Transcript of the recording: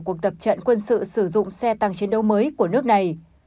cuộc tập trận quân sự sử dụng xe tăng chiến đấu mới của nước này